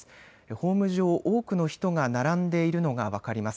ホーム上、多くの人が並んでいるのが分かります。